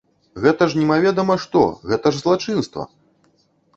Гэта ж немаведама што, гэта ж злачынства!